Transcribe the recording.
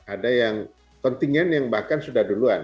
ada yang kontingen yang bahkan sudah duluan